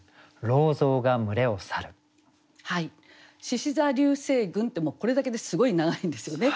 「獅子座流星群」ってこれだけですごい長いんですよね。